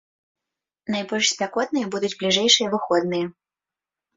Найбольш спякотныя будуць бліжэйшыя выходныя.